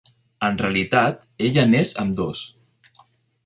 En realitat, ella n'és ambdós.